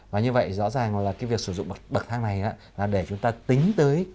và như vậy rõ ràng là cái việc sử dụng bậc thang này là để chúng ta tính tới